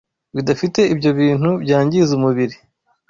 bidafite ibyo bintu byangiza umubiri